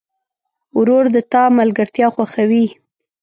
ورور د تا ملګرتیا خوښوي.